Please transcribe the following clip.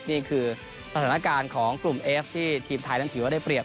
นี่คือสถานการณ์ของกลุ่มเอฟที่ทีมไทยนั้นถือว่าได้เรียบ